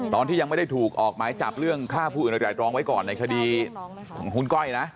ตอนที่ยังไม่ได้ถูกออกหมายจับเรื่องฆ่าผู้อื่นโดยไตรรองไว้ก่อนในคดีของคุณก้อยนะ